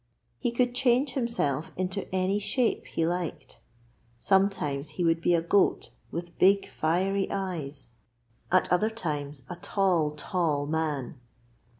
He could change himself into any shape he liked; sometimes he would be a goat with big, fiery eyes; at other times a tall, tall man.